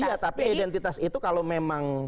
iya tapi identitas itu kalau memang